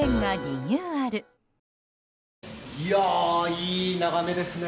いい眺めですね。